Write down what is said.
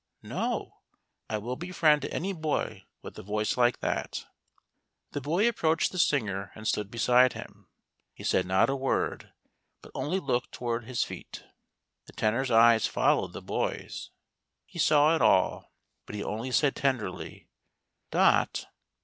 "" No ; I will befriend any boy with a voice like thatr The boy approached the singer and stood beside him. He said not a word, but only looked toward his feet. The Tenor's eyes followed the boy's. He saw it all, but he only said tenderly :" Dot